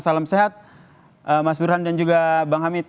salam sehat mas burhan dan juga bang hamid